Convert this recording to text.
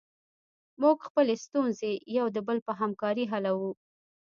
موږ خپلې ستونزې یو د بل په همکاري حلوو.